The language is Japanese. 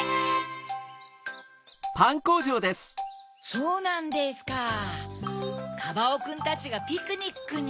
・そうなんですか・カバオくんたちがピクニックに。